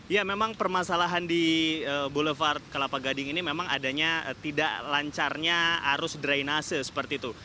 ya memang permasalahan di boulevard kelapa gading ini memang adanya tidak lancarnya arus drainase seperti itu